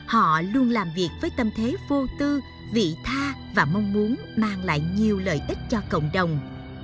họ luôn làm việc với tâm thế vô tư vị tha và mong muốn mang lại nhiều lợi ích cho cộng đồng